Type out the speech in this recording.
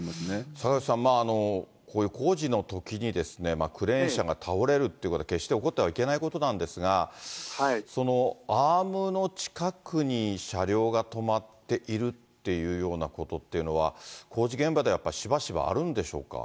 坂口さん、こういう工事のときに、クレーン車が倒れるっていうことは決して起こってはいけないことなんですが、そのアームの近くに車両が止まっているっていうようなことっていうのは、工事現場ではやっぱりしばしばあるんでしょうか。